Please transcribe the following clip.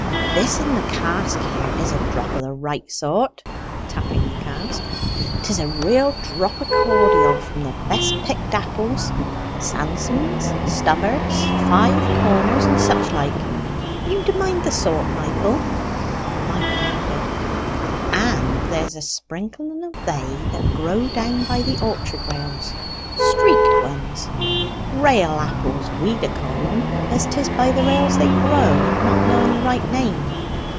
"This in the cask here is a drop o' the right sort" (tapping the cask); "'tis a real drop o' cordial from the best picked apples Sansoms, Stubbards, Five corners, and such like you d'mind the sort, Michael?" (Michael nodded.) "And there's a sprinkling of they that grow down by the orchard rails streaked ones rail apples we d'call 'em, as 'tis by the rails they grow, and not knowing the right name.